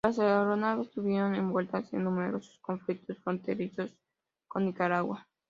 Las aeronaves estuvieron envueltas en numerosos conflictos fronterizos con Nicaragua.